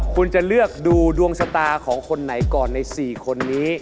คุณจะเลือกดูดวงชะตาของคนไหนก่อนใน๔คนนี้